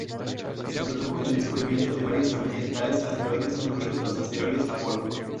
Se produjo el descubrimiento de varias familias de tales asteroides incluidos los asteroides Apolo.